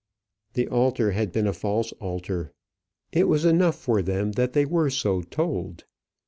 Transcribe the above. The altar had been a false altar: it was enough for them that they were so told.